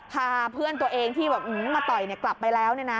พาเพื่อนตัวเองที่มาต่อยกลับไปแล้ว